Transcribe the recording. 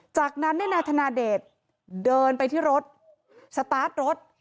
จากนั้นนายธนาเดชเดินไปที่รถสตาร์ทรถ